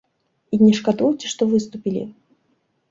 І не шкадуеце, што выступілі?